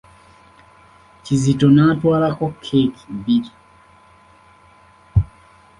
Kizito n'atwalako keeki bbiri.